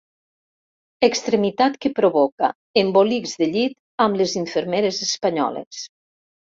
Extremitat que provoca embolics de llit amb les infermeres espanyoles.